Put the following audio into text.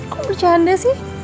kok bercanda sih